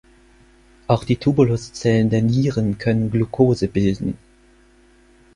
Auch die Tubuluszellen der Nieren können Glucose bilden.